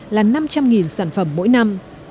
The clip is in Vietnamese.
là năm trăm linh sản phẩm mỗi năm